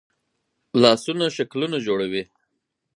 لاسونه شکلونه جوړوي